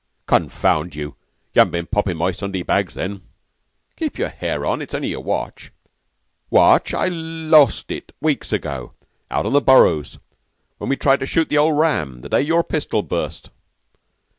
"Confound you! You haven't been popping my Sunday bags, then?" "Keep your hair on. It's only your watch." "Watch! I lost it weeks ago. Out on the Burrows, when we tried to shoot the old ram the day our pistol burst."